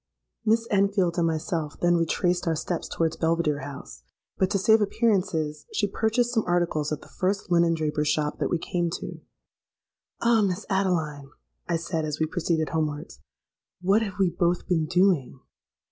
"Miss Enfield and myself then retraced our steps towards Belvidere House; but to save appearances, she purchased some articles at the first linen draper's shop that we came to. 'Ah! Miss Adeline,' I said, as we proceeded homewards, 'what have we both been doing?'